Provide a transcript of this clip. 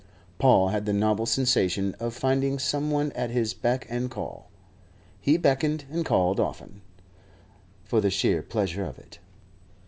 Paul had the novel sensation of finding some one at his beck and call. He beckoned and called often, for the sheer pleasure of it.